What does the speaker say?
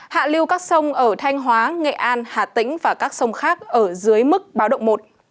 hạ lưu các sông ở thanh hóa nghệ an hà tĩnh và các sông khác ở dưới mức báo động một